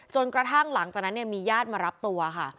จนกระทั่งหลังจากนั้นมีญาติมารับตัวค่ะ